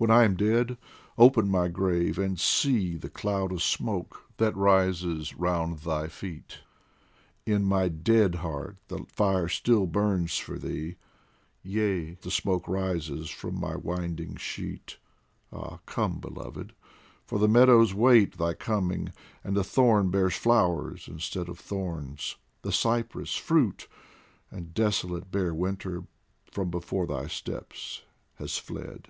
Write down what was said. When I am dead, open my grave and see The cloud of smoke that rises round thy feet : In my dead heart the fire still burns for thee ; Yea, the smoke rises from my winding sheet ! Ah, come, Beloved ! for the meadows wait Thy coming, and the thorn bears flowers instead Of thorns, the cypress fruit, and desolate Bare winter from before thy steps has fled.